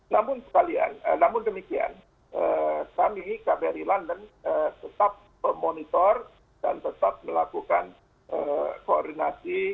namun sekalian namun demikian kami kbri london tetap memonitor dan tetap melakukan koordinasi